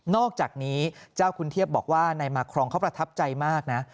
อกจากนี้เจ้าคุณเทียบบอกว่านายมาครองเขาประทับใจมากนะ